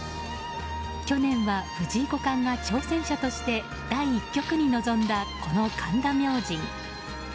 去年は藤井五冠が挑戦者として第１局に臨んだこの神田明神。